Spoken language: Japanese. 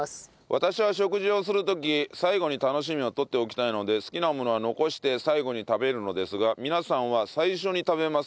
私は食事をする時最後に楽しみを取っておきたいので好きなものは残して最後に食べるのですが皆さんは最初に食べますか？